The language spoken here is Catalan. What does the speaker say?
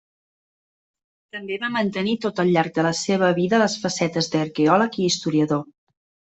També va mantenir tot el llarg de la seva vida les facetes d'arqueòleg i historiador.